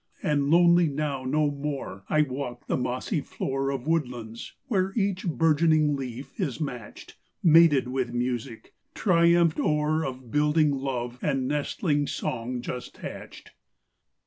And lonely now no more I walk the mossy floor Of woodlands where each bourgeoning leaf is matched, Mated with music; triumphed o'er Of building love and nestling song just hatched.